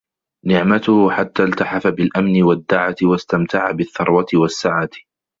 نِعْمَتُهُ حَتَّى الْتَحَفَ بِالْأَمْنِ وَالدَّعَةِ ، وَاسْتَمْتَعَ بِالثَّرْوَةِ وَالسَّعَةِ